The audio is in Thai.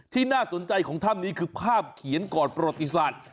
น่าสนใจของถ้ำนี้คือภาพเขียนก่อนประวัติศาสตร์